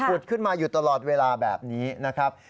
ขึ้นมาอยู่ตลอดเวลาแบบนี้นะครับ